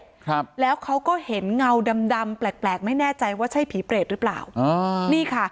ครับแล้วเขาก็เห็นเงาดำดำแปลกแปลกไม่แน่ใจว่าใช่ผีเปรตหรือเปล่าอ๋อนี่ค่ะ